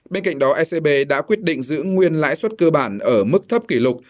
bên cạnh đó ecb đã quyết định giữ nguyên lãi suất cơ bản ở mức thấp kỷ lục